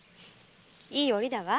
いい折だわ。